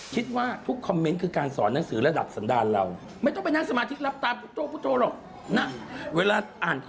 คุณก็ยอมรับว่าคุณไม่เพอร์เฟค